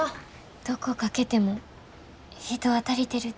どこかけても人は足りてるて。